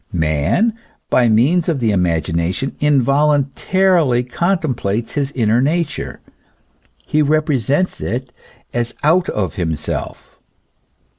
Man, by means of the imagination, involun tarily contemplates his inner nature; he represents it as out of himself.